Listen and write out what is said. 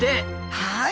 はい。